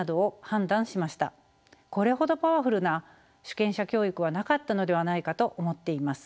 これほどパワフルな主権者教育はなかったのではないかと思っています。